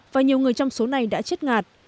và nhiều người trong số này đã chết ngạt